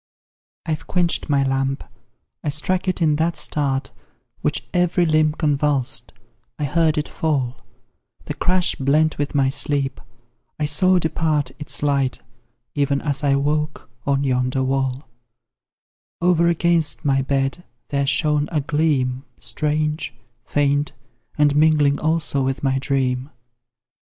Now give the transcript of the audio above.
I've quench'd my lamp, I struck it in that start Which every limb convulsed, I heard it fall The crash blent with my sleep, I saw depart Its light, even as I woke, on yonder wall; Over against my bed, there shone a gleam Strange, faint, and mingling also with my dream.